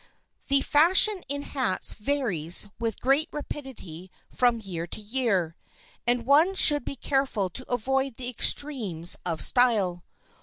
The fashion in hats varies with great rapidity from year to year, and one should be careful to avoid the extremes of style.